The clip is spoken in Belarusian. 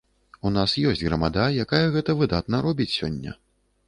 У нас ёсць грамада, якая гэта выдатна робіць сёння.